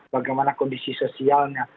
bagaimana kondisi sosialnya